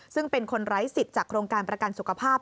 ซึ่งเป็นคนไร้สิทธิ์จากโครงการประกันสุขภาพ